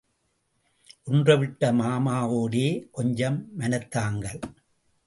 ஒன்றுவிட்ட மாமாவோடே கொஞ்சம் மனத்தாங்கல்.